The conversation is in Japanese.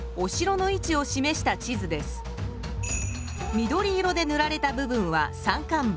緑色でぬられた部分は山間部。